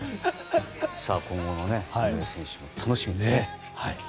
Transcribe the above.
今後の井上選手も楽しみですね。